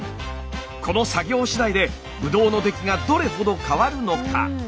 この作業しだいでブドウの出来がどれほど変わるのか？